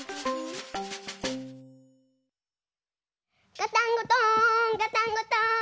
ガタンゴトーンガタンゴトーン。